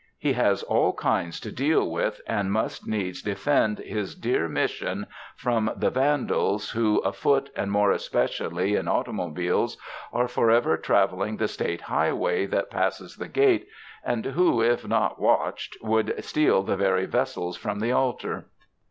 He has all kinds to deal with, and must needs defend his dear Mission from the 171 UNDER THE SKY IN CALIFORNIA vandals who, afoot and more especially in automo biles, are forever traveling the State highway that passes the gate, and who, if not watched, would steal the very vessels from the altar.